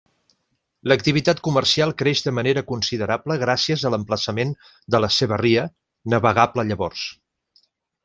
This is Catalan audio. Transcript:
L'activitat comercial creix de manera considerable gràcies a l'emplaçament de la seva ria, navegable llavors.